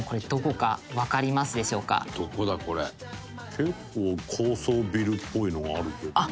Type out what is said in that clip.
「結構高層ビルっぽいのがあるけど」